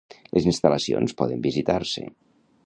Les instal·lacions poden visitar-se.